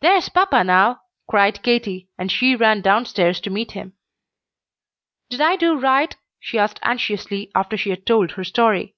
"There's papa now!" cried Katy; and she ran downstairs to meet him. "Did I do right?" she asked anxiously after she had told her story.